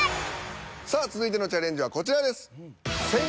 さあ続いてのチャレンジはこちらです。